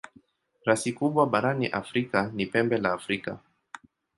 Rasi kubwa barani Afrika ni Pembe la Afrika.